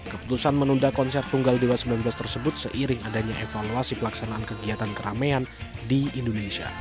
keputusan menunda konser tunggal dewa sembilan belas tersebut seiring adanya evaluasi pelaksanaan kegiatan keramaian di indonesia